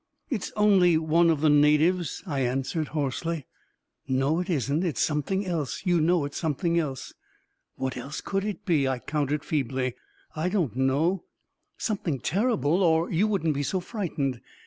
" It's only one of the natives," I answered hoarsely. " No, it isn't ! It's something else ! You know it's something else !"" What else could it be ?" I countered feebly. " I don't know — something terrible, or you 363 364 A KING IN BABYLON wouldn't be so frightened